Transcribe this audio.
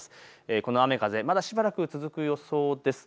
この雨風、まだしばらく続く予想です。